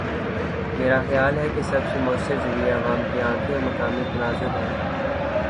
میرا خیال ہے کہ سب سے موثر ذریعہ عوام کی آنکھیں اور مقامی تناظر ہے۔